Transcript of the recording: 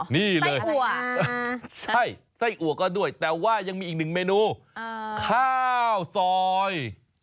นี่เลยใช่ไส้อัวก็ด้วยแต่ว่ายังมีอีกหนึ่งเมนูข้าวซอย